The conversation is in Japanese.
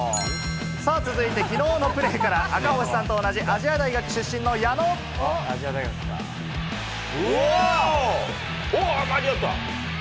さあ、続いてきのうのプレーから、赤星さんと同じ亜細亜大学出身のおー、間に合った！